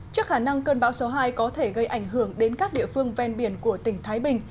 trước khả năng cơn bão số hai có thể gây ảnh hưởng đến các địa phương ven biển của tỉnh thái bình